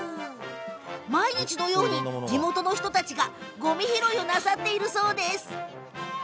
毎日のように地元の人たちがごみ拾いをなさっているそうです。